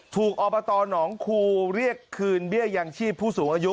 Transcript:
อบตหนองคูเรียกคืนเบี้ยยังชีพผู้สูงอายุ